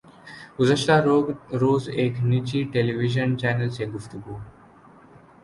گزشتہ روز ایک نجی ٹیلی وژن چینل سے گفتگو